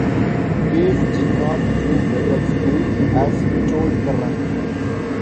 Gaze did not do well at school: as he told Kerrang!